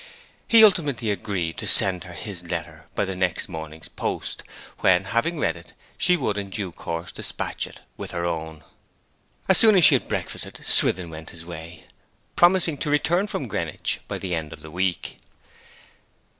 He ultimately agreed to send her his letter by the next morning's post, when, having read it, she would in due course despatch it with her own. As soon as he had breakfasted Swithin went his way, promising to return from Greenwich by the end of the week.